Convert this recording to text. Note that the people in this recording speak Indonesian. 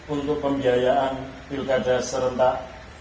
untuk pembiayaan pilkada serentak dua ribu dua puluh empat